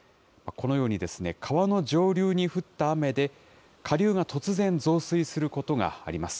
このように川の上流に降った雨で、下流が突然増水することがあります。